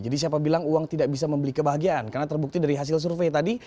jadi siapa bilang uang tidak bisa membeli kebahagiaan karena terbukti dari hasil survei tadi